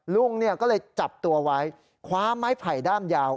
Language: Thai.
ลุงก็เลยจับตัวไว้คว้าไม้ไผ่ด้ามยาว